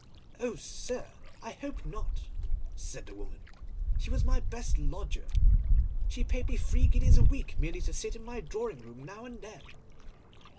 "Oh sir, I hope not!" said the woman; "she was my best lodger. She paid me three guineas a week merely to sit in my drawing rooms now and then."